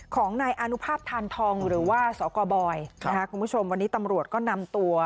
ของนายอนุภาพธานทองหรือว่าสกบอยนะคะคุณผู้ชมวันนี้ตำรวจก็นำตัว